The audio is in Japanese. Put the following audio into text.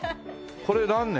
これ何年？